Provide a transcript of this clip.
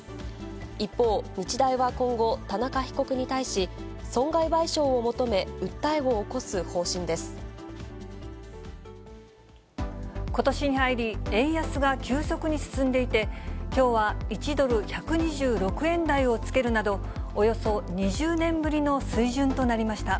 一方、日大は今後、田中被告に対し、損害賠償を求め、訴えを起こことしに入り、円安が急速に進んでいて、きょうは１ドル１２６円台をつけるなど、およそ２０年ぶりの水準となりました。